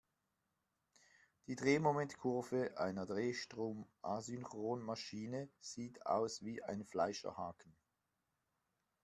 Die Drehmomentkurve einer Drehstrom-Asynchronmaschine sieht aus wie ein Fleischerhaken.